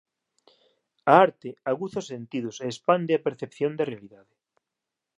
A arte aguza os sentidos e expande a percepción da realidade